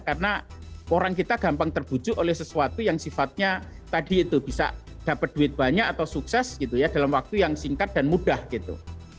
karena orang kita gampang terbujuk oleh sesuatu yang sifatnya tadi itu bisa dapat duit banyak atau sukses gitu ya dalam waktu yang singkat dan mudah gitu